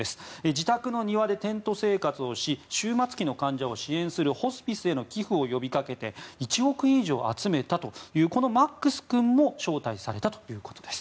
自宅の庭でテント生活をし終末期の患者を支援するホスピスへの寄付を呼び掛けて１億円以上集めたというこのマックス君も招待されたということです。